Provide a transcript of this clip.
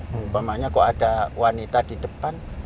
mumpamanya kok ada wanita di depan